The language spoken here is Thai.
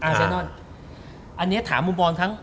อันนี้ถามมุมบอลทั้ง